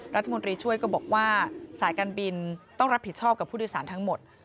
รัฐมนตรีช่วยก็บอกว่าสายการบินต้องรับผิดชอบกับผู้โดยสารทั้งหมด